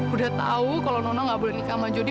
udah tau kalau nona gak boleh nikah sama jodi